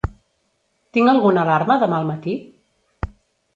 Tinc alguna alarma demà al matí?